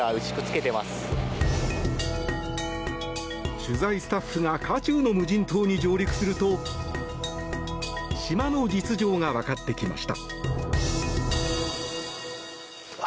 取材スタッフが渦中の無人島に上陸すると島の実情がわかってきました。